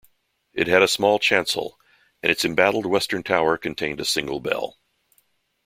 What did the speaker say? It had a small chancel and its embattled western tower contained a single bell.